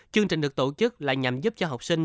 chương trình được tổ chức là nhằm giúp cho học sinh